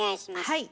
はい。